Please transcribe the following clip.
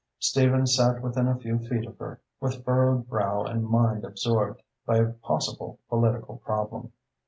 Stephen sat within a few feet of her, with furrowed brow and mind absorbed by a possible political problem.